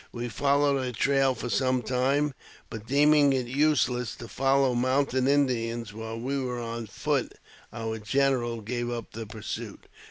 We followed their trail for some time, but, deeming it useless to follow mounted Indians while we were on foot, our general gave up the pursuit.